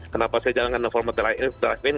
kenapa saya jalan dalam format drive in